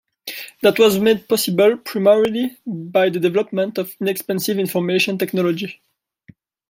That was made possible primarily by the development of inexpensive information technology.